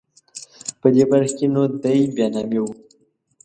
په دې برخه کې نو دای بیا نامي و.